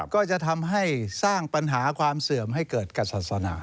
ก็จะทำให้สร้างปัญหาความเสื่อมให้เกิดกับศาสนา